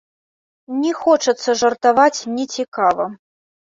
Не хочацца жартаваць нецікава.